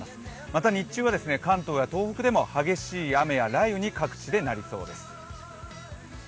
また、日中は関東や東北でも激しい雨や雷雨に各地でなりそうです。